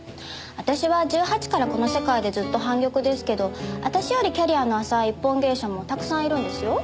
私は１８からこの世界でずっと半玉ですけど私よりキャリアの浅い一本芸者もたくさんいるんですよ。